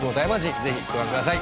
ぜひご覧ください。